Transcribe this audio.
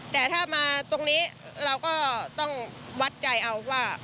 แต่ถ้ามาตรงนี้เราก็ต้องวัดใจเอาว่า